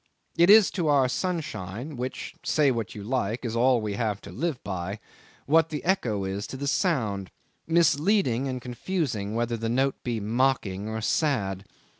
It is to our sunshine, which say what you like is all we have to live by, what the echo is to the sound: misleading and confusing whether the note be mocking or sad.